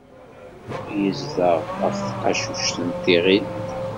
Yezdeɣ ɣef tqacuct n tiɣilt.